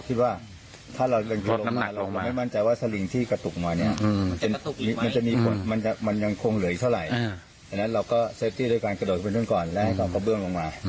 พักให้ตะก้าไปตกตรงนั้น